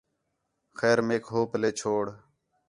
خیر میک ہو پلّے چھوڑ